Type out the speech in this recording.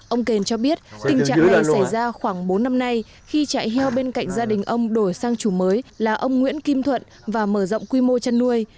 ông kền cho biết tình trạng này xảy ra khoảng bốn năm nay khi trại heo bên cạnh gia đình ông đổi sang chủ mới là ông nguyễn kim thuận và mở rộng quy mô chăn nuôi